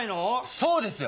そうですよ！